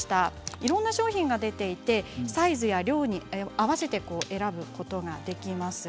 いろんな商品が出ていてサイズや量に合わせて選ぶことができます。